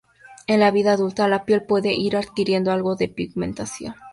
En la vida adulta la piel puede ir adquiriendo algo de pigmentación.